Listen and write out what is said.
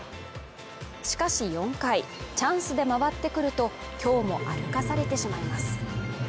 しかし４回チャンスで回ってくると今日も歩かされてしまいます